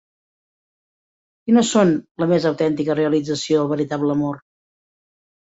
Quines són la més autèntica realització del veritable amor?